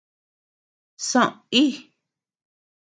Soʼö íi.